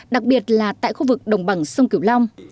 đặc biệt là tại khu vực đồng bằng sông cửu long